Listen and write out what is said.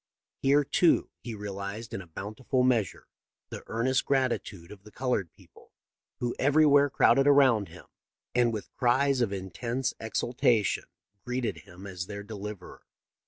Here too he realized in a bountiful measure the earnest gratitude of the colored people, who everywhere crowded around him and with cries of intense exultation greeted him as their deliverer.